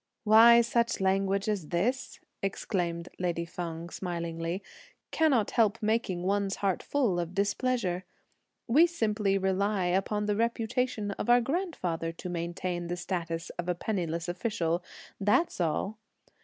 "Why, language such as this," exclaimed lady Feng smilingly, "cannot help making one's heart full of displeasure! We simply rely upon the reputation of our grandfather to maintain the status of a penniless official; that's all!